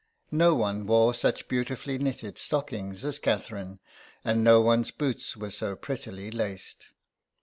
No one wore such beautifully knitted stockings as Catherine, and no one's boots were so prettily laced.